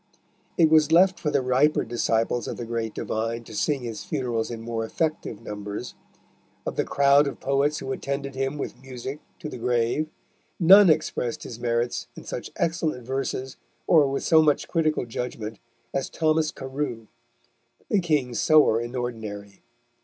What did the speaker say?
It was left for the riper disciples of the great divine to sing his funerals in more effective numbers. Of the crowd of poets who attended him with music to the grave, none expressed his merits in such excellent verses or with so much critical judgment as Thomas Carew, the king's sewer in ordinary.